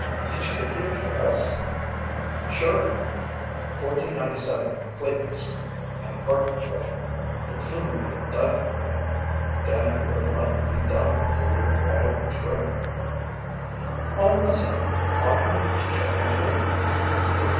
"Did you get the address?" "Sure 1497 Clayton Street an apartment building. The clue may be a dud one though. Danny wouldn't likely be dumb enough to leave a wide open trail." "All the same, oughtn't we to check into it?"